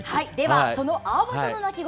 そのアオバトの鳴き声